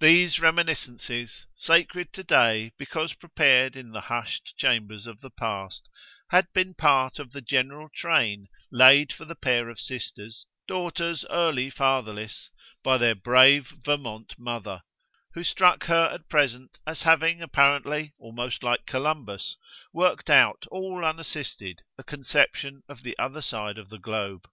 These reminiscences, sacred to day because prepared in the hushed chambers of the past, had been part of the general train laid for the pair of sisters, daughters early fatherless, by their brave Vermont mother, who struck her at present as having apparently, almost like Columbus, worked out, all unassisted, a conception of the other side of the globe.